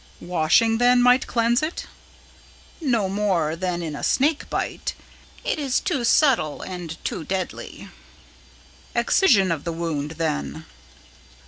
"Washing, then, might cleanse it?" "No more than in a snake bite. It is too subtle and too deadly." "Excision of the wound, then?"